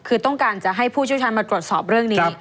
คือต้องการจะให้ผู้เชี่ยวชาญมาตรวจสอบเรื่องนี้